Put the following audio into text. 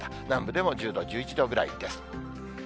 南部でも１０度、１１度ぐらいです。